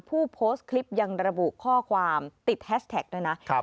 ผู้โพสต์คลิปยังระบุข้อความติดแฮชแท็กด้วยนะ